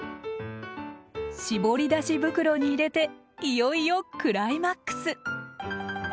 絞り出し袋に入れていよいよクライマックス！